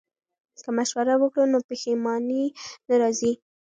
که مشوره وکړو نو پښیماني نه راځي.